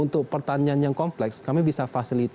nah untuk pertanyaan yang kompleks kami bisa facilitate